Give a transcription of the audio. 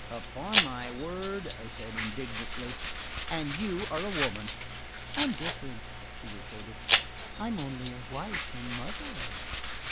" "Upon my word!" I said indignantly. "And you are a woman!" "I'm different," she retorted. "I'm only a wife and mother."